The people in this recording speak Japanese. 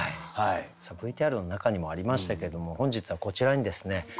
ＶＴＲの中にもありましたけれども本日はこちらにですね